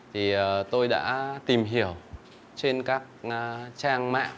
thì tôi đã tìm hiểu trên các trang mạng